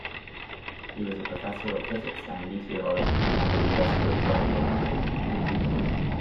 He was a Professor of Physics and Meteorology at the University of Groningen.